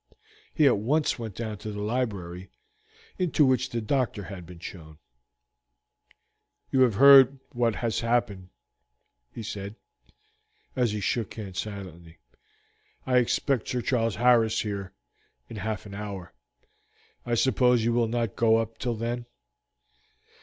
He at once went down to the library, into which the doctor had been shown. "You have heard what has happened," he said, as he shook hands silently. "I expect Sir Charles Harris here in half an hour. I suppose you will not go up till then?"